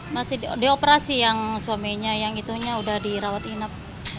masih dioperasi yang suaminya yang itunya udah dirawat inap